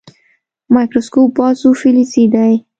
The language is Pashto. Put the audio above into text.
مایکروسکوپ بازو فلزي دی.